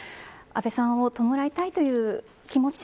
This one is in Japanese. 安倍さんを弔いたいという気持ち